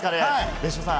別所さん。